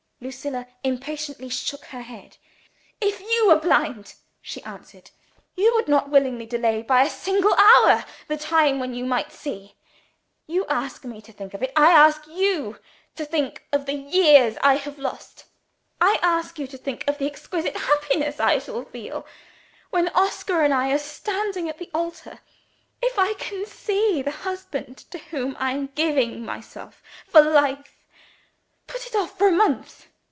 Lucilla impatiently shook her head. "If you were blind," she answered, "you would not willingly delay by a single hour the time when you might see. You ask me to think of it. I ask you to think of the years I have lost. I ask you to think of the exquisite happiness I shall feel, when Oscar and I are standing at the altar, if I can see the husband to whom I am giving myself for life! Put it off for a month?